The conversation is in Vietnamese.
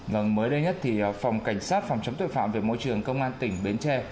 vâng mới đây nhất thì phòng cảnh sát phòng chống tội phạm về môi trường công an tỉnh bến tre